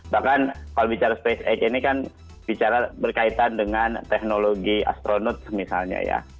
bahkan kalau bicara spacex ini kan bicara berkaitan dengan teknologi astronot misalnya ya